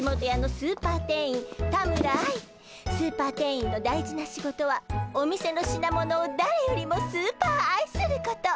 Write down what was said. スーパー店員の大事な仕事はお店の品物をだれよりもスーパーあいすること。